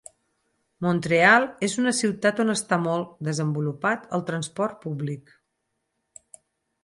Mont-real és una ciutat on està molt desenvolupat el transport públic.